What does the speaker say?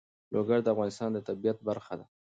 لوگر د افغانستان د طبیعت برخه ده.